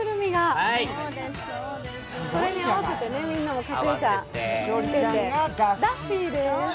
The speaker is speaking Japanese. それに合わせてみんなもカチューシャ、ダッフィーです。